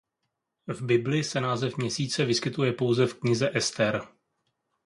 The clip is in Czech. V Bibli se název měsíce vyskytuje pouze v Knize Ester.